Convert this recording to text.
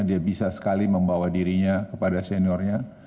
dia bisa sekali membawa dirinya kepada seniornya